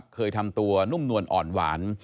เคยทำตัวนุ่มนวลอ่อนหวาน